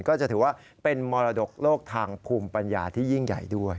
ก็จะถือว่าเป็นมรดกโลกทางภูมิปัญญาที่ยิ่งใหญ่ด้วย